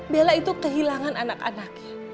bella itu kehilangan anak anaknya